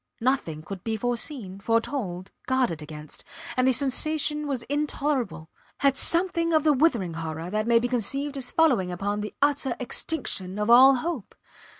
Nothing could be foreseen, foretold guarded against. And the sensation was intolerable, had something of the withering horror that may be conceived as following upon the utter extinction of all hope.